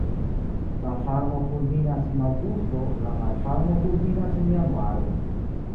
La varmo kulminas en aŭgusto, la malvarmo kulminas en januaro.